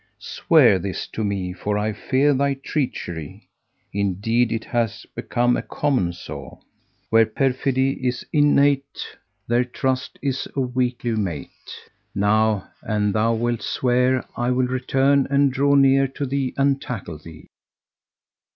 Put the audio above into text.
Swear this to me, for I fear thy treachery: indeed it hath become a common saw, 'Where Perfidy is innate there Trust is a weakly mate.' Now an thou wilt swear I will return and draw near to thee and tackle thee."